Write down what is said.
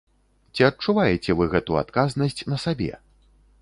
Ці адчуваеце вы гэту адказнасць на сабе?